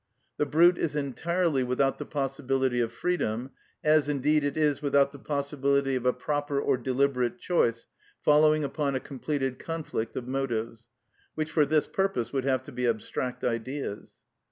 The brute is entirely without the possibility of freedom, as, indeed, it is without the possibility of a proper or deliberate choice following upon a completed conflict of motives, which for this purpose would have to be abstract ideas.